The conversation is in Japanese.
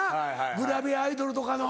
グラビアアイドルとかの。